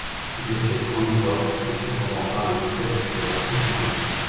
L'effet Trommsdorff n'est cependant pas un effet d'accélération thermique.